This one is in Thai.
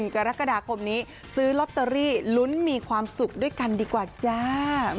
กรกฎาคมนี้ซื้อลอตเตอรี่ลุ้นมีความสุขด้วยกันดีกว่าจ้า